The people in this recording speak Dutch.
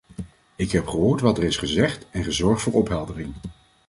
Ik heb gehoord wat er is gezegd en gezorgd voor opheldering.